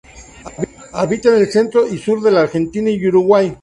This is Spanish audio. Habita en el centro y sur de la Argentina y Uruguay.